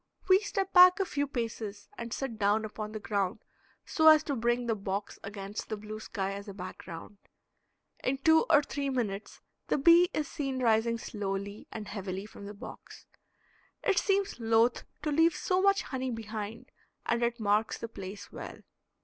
We step back a few paces, and sit down upon the ground so as to bring the box against the blue sky as a background. In two or three minutes the bee is seen rising slowly and heavily from the box. It seems loath to leave so much honey behind and it marks the place well.